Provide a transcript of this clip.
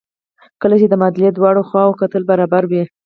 کله چې د معادلې د دواړو خواوو کتله برابره وي.